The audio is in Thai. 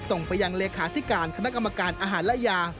ส่งไปยังเลขาธิการคณะกรรมการอาหารและยา